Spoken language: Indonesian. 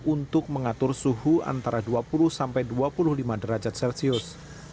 untuk mengatur suhu antara dua puluh sampai dua puluh lima derajat celcius